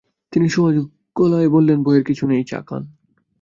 তিনি সহজ গলায় বললেন, ভয়ের কিছু নেই-চা খান।